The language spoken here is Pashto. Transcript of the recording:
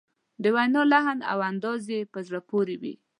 د وینا لحن او انداز یې په زړه پورې وي.